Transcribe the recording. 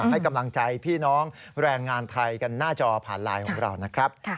ให้กำลังใจพี่น้องแรงงานไทยกันหน้าจอผ่านไลน์ของเรานะครับ